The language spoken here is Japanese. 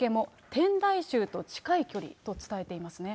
天台宗と近い距離と伝えていますね。